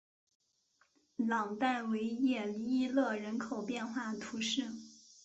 朗代维耶伊勒人口变化图示